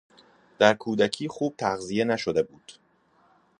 در کودکی خوب تغذیه نشده بود.